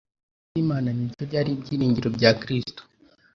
Ijambo ry'Imana niryo ryari ibyiringiro bya Kristo